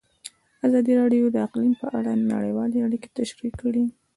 ازادي راډیو د اقلیم په اړه نړیوالې اړیکې تشریح کړي.